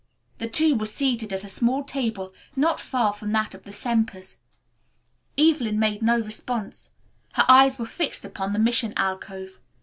The two were seated at a small table not far from that of the Sempers. Evelyn made no response. Her eyes were fixed upon the mission alcove.